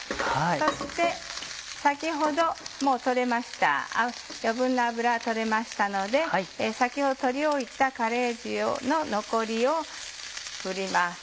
そして先ほどもう取れました余分な脂は取れましたので先ほど取り置いたカレー塩の残りを振ります。